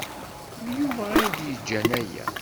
D Yuba ay d-yeǧǧan aya.